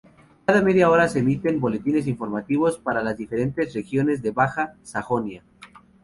Cada media hora se emiten boletines informativos para las diferentes regiones de Baja Sajonia.